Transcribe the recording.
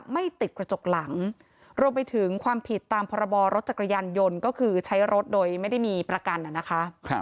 ไม่ติดกระจกหลังรวมไปถึงความผิดตามพรบรรถจักรยานยนต์ก็คือใช้รถโดยไม่ได้มีประกันนะคะ